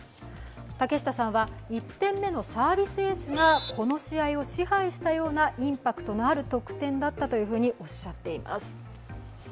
竹下さんは、１点目のサービスエースがこの試合を支配したようなインパクトのある得点だったとおっしゃっています。